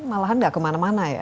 malahan tidak kemana mana ya